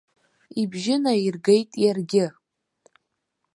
Ибжьы наиргеит иаргьы.